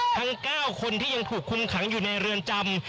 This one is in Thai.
ทั้ง๙คนที่ยังถูกคุมขังอยู่ในเรือนจำ